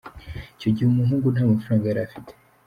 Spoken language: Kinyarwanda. Icyo gihe, umuhungu nta mafaranga yari afite.